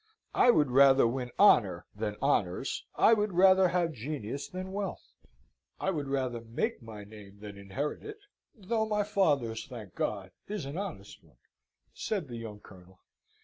"I would rather win honour than honours: I would rather have genius than wealth. I would rather make my name than inherit it, though my father's, thank God, is an honest one," said the young Colonel.